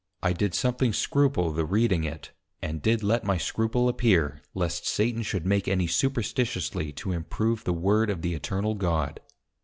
_ I did something scruple the reading it, and did let my scruple appear, lest Satan should make any Superstitiously to improve the Word of the Eternal God.